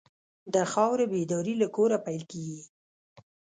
د خاورې بیداري له کوره پیل کېږي.